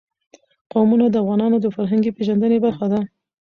قومونه د افغانانو د فرهنګي پیژندنې برخه ده.